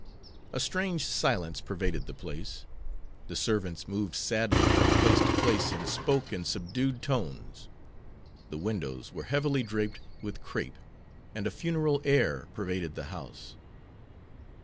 A strange silence pervaded the place. The servants moved sadly from place to place, and spoke in subdued tones. The windows were heavily draped with crape, and a funeral air pervaded the house.